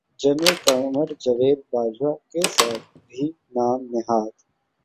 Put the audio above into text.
general Qamar Javed Bajwa کے ساتھ بھی نام نہاد